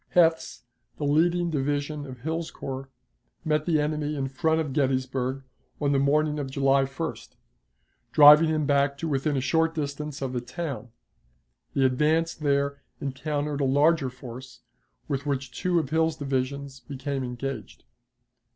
Heth's, the leading division of Hill's corps, met the enemy in front of Gettysburg on the morning of July 1st, driving him back to within a short distance of the town; the advance there encountered a larger force, with which two of Hill's divisions became engaged.